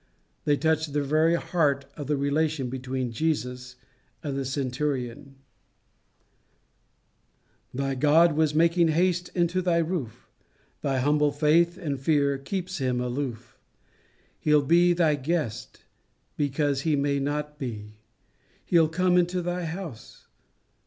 They touch the very heart of the relation between Jesus and the centurion: Thy God was making haste into thy roof; Thy humble faith and fear keeps Him aloof: He'll be thy guest; because He may not be, He'll come into thy house?